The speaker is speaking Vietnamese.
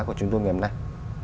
của chúng tôi ngày hôm nay